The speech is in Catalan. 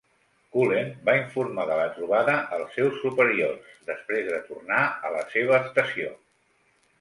Cullen va informar de la trobada als seus superiors després de tornar a la seva estació.